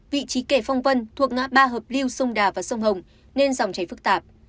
vị trí kẻ phong vân thuộc ngã ba hợp lưu sông đà và sông hồng nên dòng chảy phức tạp